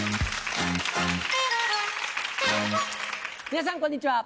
皆さんこんにちは。